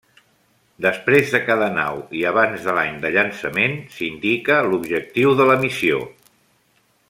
Després de cada nau, i abans de l'any de llançament, s'indica l'objectiu de la missió.